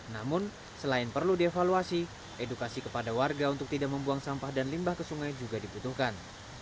namun selain perlu dievaluasi edukasi kepada warga untuk tidak membuang sampah dan limbah ke sungai juga dibutuhkan